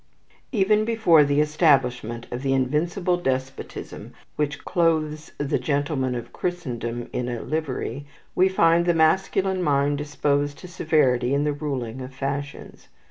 Even before the establishment of the invincible despotism which clothes the gentlemen of Christendom in a livery, we find the masculine mind disposed to severity in the ruling of fashions.